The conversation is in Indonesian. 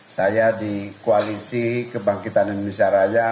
saya di koalisi kebangkitan indonesia raya